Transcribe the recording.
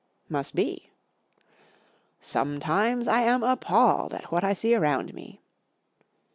4 Must be." " Sometimes I am appalled at what I see around me.